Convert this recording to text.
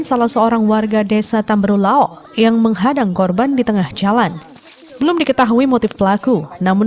sebelumnya polisi menunggu penembakan